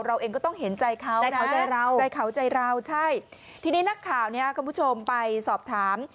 เราเองก็ต้องเห็นใจเขาใจเขาใจเราใจเขาใจเราใช่ทีนี้นักข่าวเนี่ยคุณผู้ชมไปสอบถาม